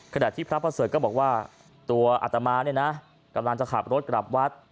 ขณะที่พระประเสริฐก็บอกว่าตัวอัตมาเนี่ยนะกำลังจะขับรถกลับวัด